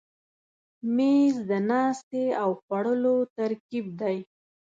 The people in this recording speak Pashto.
مېز د ناستې او خوړلو ترکیب دی.